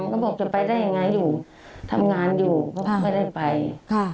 เขาบอกจะไปได้ยังไงอยู่ทำงานอยู่ก็ไม่ได้ไปค่ะ